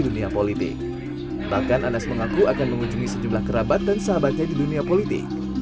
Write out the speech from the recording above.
dunia politik bahkan anas mengaku akan mengunjungi sejumlah kerabat dan sahabatnya di dunia politik